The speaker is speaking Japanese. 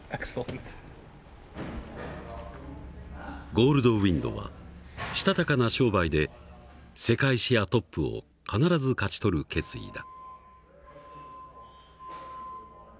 ゴールドウインドはしたたかな商売で世界シェアトップを必ず勝ち取る決意だ。